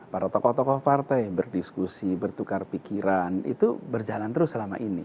para tokoh tokoh partai berdiskusi bertukar pikiran itu berjalan terus selama ini